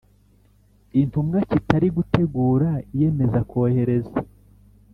intumwa kitari gutegura iyemeza kohereza